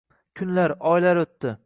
Kunlar, oylar o`tdi